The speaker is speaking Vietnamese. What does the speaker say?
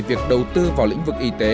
việc đầu tư vào lĩnh vực y tế